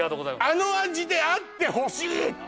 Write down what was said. あの味であってほしい！